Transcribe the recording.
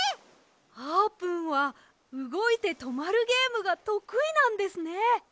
あーぷんはうごいてとまるゲームがとくいなんですね。